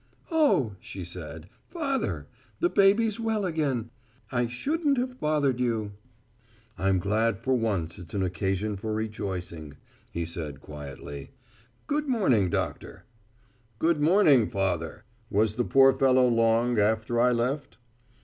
"Oh," she said, "Father, the baby's well again. I shouldn't have bothered you." "I'm glad for once it's an occasion for rejoicing," he said quietly. "Good morning, doctor." "Good morning, Father. Was the poor fellow long after I left?"